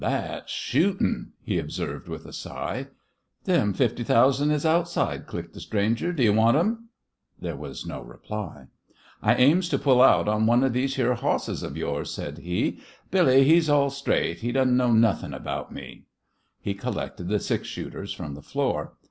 "That's shootin'!" he observed, with a sigh. "Them fifty thousand is outside," clicked the stranger. "Do you want them?" There was no reply. "I aims to pull out on one of these yere hosses of yours," said he. "Billy he's all straight. He doesn't know nothin' about me." He collected the six shooters from the floor.